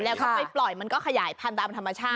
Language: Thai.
แล้วก็ไปปล่อยมันก็ขยายพันธุ์ตามธรรมชาติ